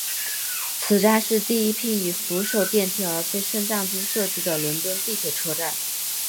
此站是第一批以扶手电梯而非升降机设计的伦敦地铁车站。